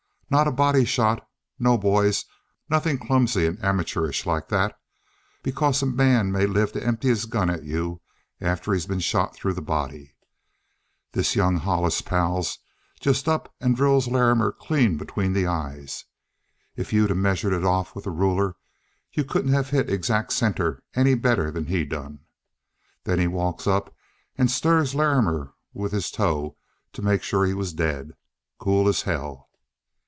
Not a body shot. No, boys, nothing clumsy and amateurish like that, because a man may live to empty his gun at you after he's been shot through the body. This young Hollis, pals, just ups and drills Larrimer clean between the eyes. If you'd measured it off with a ruler, you couldn't have hit exact center any better'n he done. Then he walks up and stirs Larrimer with his toe to make sure he was dead. Cool as hell."